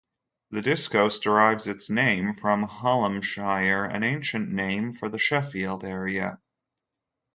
The Diocese derives its name from Hallamshire, an ancient name for the Sheffield area.